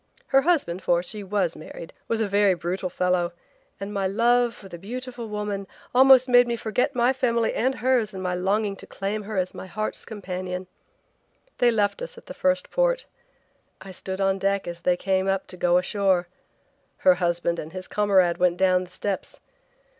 Her husband, for she was married, was a very brutal fellow and my love for the beautiful woman almost made me forget my family and hers in my longing to claim her as my heart's companion. They left us at the first port. I stood on deck as they came up to go ashore. Her husband and his comrade went down the steps.